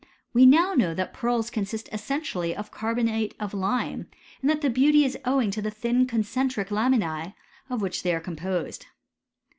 We now know that pearls consist essentially of carbonate of lime, and that the beauty is owing to the thin concentric lamin«B, of which they are composed.